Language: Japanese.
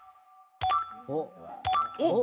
おっ！